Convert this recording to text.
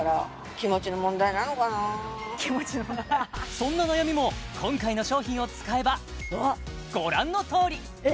そんな悩みも今回の商品を使えばご覧のとおり！